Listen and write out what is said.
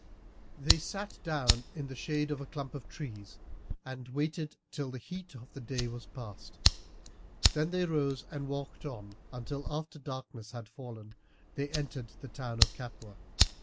They sat down in the shade of a clump of trees, and waited till the heat of the day was past; then they rose and walked on until, after darkness had fallen, they entered the town of Capua.